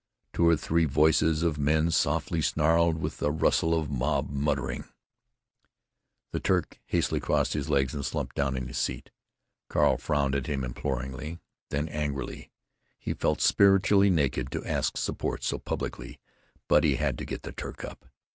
two or three voices of men softly snarled, with a rustle of mob muttering. The Turk hastily crossed his legs and slumped down in his seat. Carl frowned at him imploringly, then angrily. He felt spiritually naked to ask support so publicly, but he had to get the Turk up.